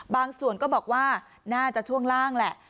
ส่วนตัวก็บอกว่าน่าจะช่วงล่างแหละ